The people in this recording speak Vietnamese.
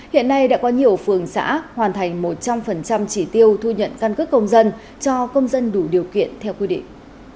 hiện nay đã có nhiều phường xã hoàn thành một trăm linh chỉ tiêu thu nhận căn cước công dân cho công dân đủ điều kiện theo quy định